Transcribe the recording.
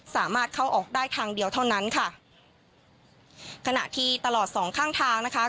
สามารถเข้าออกได้ทางเดียวเท่านั้นค่ะขณะที่ตลอดสองข้างทางนะคะ